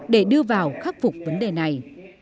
để đưa vào khắc phục vấn đề này